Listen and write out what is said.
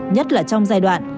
nhất là trong giai đoạn